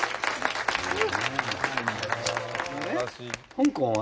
香港は？